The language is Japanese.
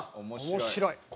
面白い！